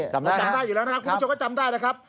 จำได้อยู่แล้วนะครับคุณผู้ชมก็จำได้นะครับ